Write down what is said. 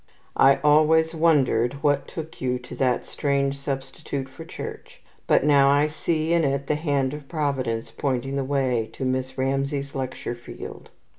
I always wondered what took you to that strange substitute for church; but now I see in it the hand of Providence pointing the way to Miss Ramsay's lecture field.